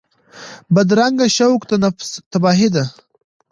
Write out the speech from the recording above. بدرنګه شوق د نفس تباهي ده